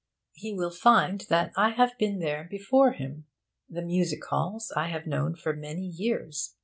He will find that I have been there before him. The music halls I have known for many years.